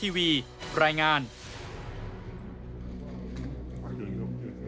หรือว่าใครบางกลุ่มเท่านั้น